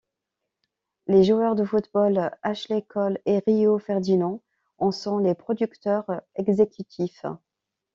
Les joueurs de football Ashley Cole et Rio Ferdinand en sont les producteurs exécutifs.